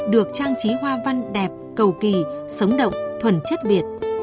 được trang trí